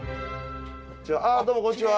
あどうもこんにちは。